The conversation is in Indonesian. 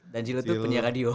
dan jill itu penyiar radio